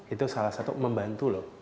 itu salah satu membantu loh